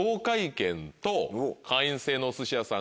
会員制のお寿司屋さん